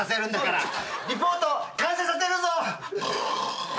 リポート完成させるぞ。